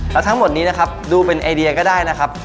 แล้วทั้งหมดนี้นะครับดูเป็นไอเดียก็ได้นะครับ